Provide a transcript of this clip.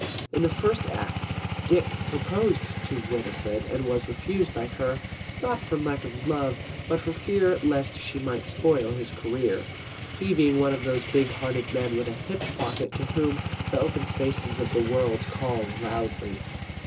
In the First Act Dick proposed to Winifred and was refused by her, not from lack of love, but for fear lest she might spoil his career, he being one of those big hearted men with a hip pocket to whom the open spaces of the world call loudly.